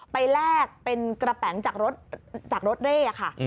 ไปแลกเป็นกระแป๋งจากรถเร่คค่ะ